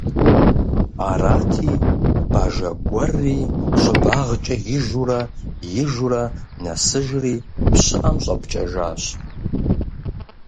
Арати Бажэ гуэрри щӀыбагъкӀэ ижурэ, ижурэ нэсыжри пщыӀэм щӀэпкӀэжащ.